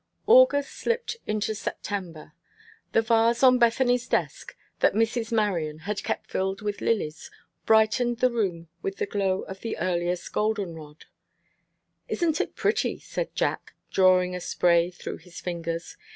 AUGUST slipped into September. The vase on Bethany's desk, that Mrs. Marion had kept filled with lilies, brightened the room with the glow of the earliest golden rod. "Isn't it pretty?" said Jack, drawing a spray through his fingers.